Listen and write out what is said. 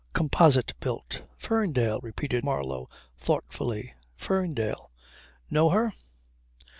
Composite built." "Ferndale," repeated Marlow thoughtfully. "Ferndale." "Know her?"